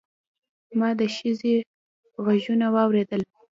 ما د ښځې غږونه واورېدل.